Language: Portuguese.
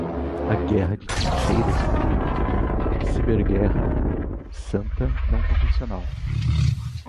A guerra de trincheiras foi uma ciberguerra santa não convencional